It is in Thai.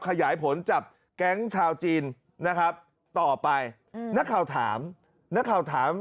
ขยายผลจับแก๊งชาวจีนนะครับต่อไปนักข่าวถามนักข่าวถาม